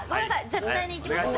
絶対にいきます。